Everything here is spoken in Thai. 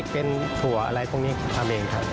เป็นถั่วอะไรพวกนี้ทำเองครับ